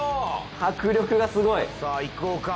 迫力がすごい。さあいこうか。